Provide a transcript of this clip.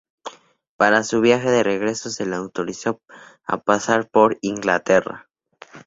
Para su viaje de regreso se le autorizó a pasar por Inglaterra.